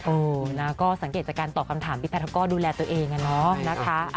เออนะก็สังเกตจากการตอบคำถามพี่แพทย์เขาก็ดูแลตัวเองอะเนาะนะคะ